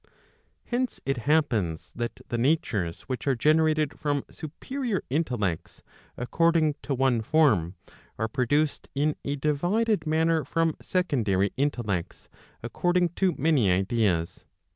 Hence it happens that the natures which are generated from superior intellects according to one form, are produced fin a divided manner from secondary intellects *3 according to many ideas.